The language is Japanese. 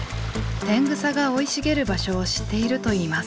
テングサが生い茂る場所を知っているといいます。